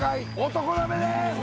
男鍋です！